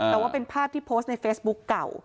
แต่ว่าเป็นภาพที่โพสต์ในเฟซบุ๊คเก่า